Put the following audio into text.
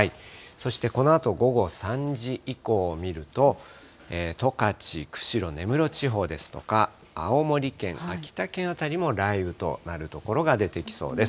そしてこのあと午後３時以降を見ると、十勝、釧路、根室地方ですとか、青森県、秋田県辺りも雷雨となる所が出てきそうです。